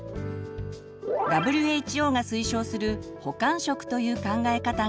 ＷＨＯが推奨する「補完食」という考え方があります。